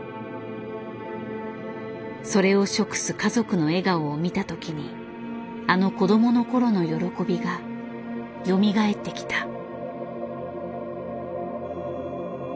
それを食す家族の笑顔を見た時にあの子供の頃の喜びがよみがえってきた。